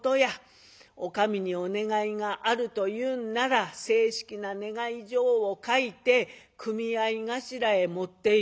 お上にお願いがあるというんなら正式な願い状を書いて組合頭へ持っていく。